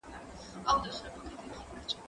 زه مخکي مېوې وچولي وې!.